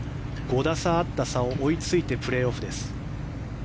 ５打差あった差を追いついてプレーオフです。